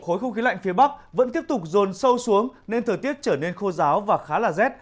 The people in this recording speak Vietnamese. khối không khí lạnh phía bắc vẫn tiếp tục rồn sâu xuống nên thời tiết trở nên khô giáo và khá là rét